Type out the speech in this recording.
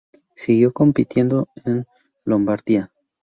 Siguió compitiendo en Lombardía.